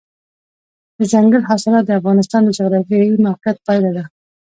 دځنګل حاصلات د افغانستان د جغرافیایي موقیعت پایله ده.